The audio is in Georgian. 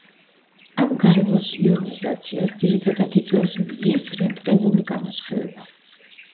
ამ გარემოს იონიზაციას ძირითადად იწვევს მზის რენტგენული გამოსხივება.